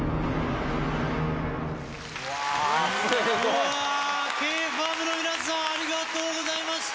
うわＫｆａｍの皆さんありがとうございました！